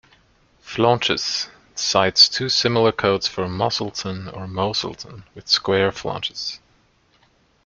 Flaunches, cites two similar coats for Mosylton or Moselton with square flaunches.